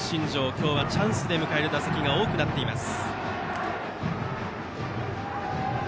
今日はチャンスで迎える打席が多くなっています。